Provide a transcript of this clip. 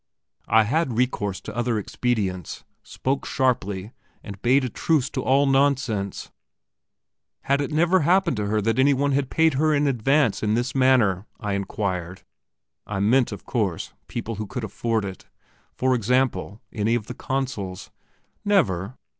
I had recourse to other expedients spoke sharply, and bade a truce to all nonsense. Had it never happened to her before that any one had paid her in advance in this manner? I inquired I meant, of course, people who could afford it for example, any of the consuls? Never?